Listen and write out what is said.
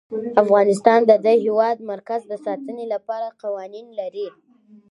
افغانستان د د هېواد مرکز د ساتنې لپاره قوانین لري.